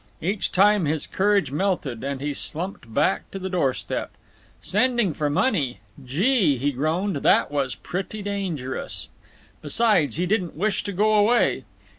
Each time his courage melted, and he slumped back to the door step. Sending for money—gee, he groaned, that was pretty dangerous. Besides, he didn't wish to go away.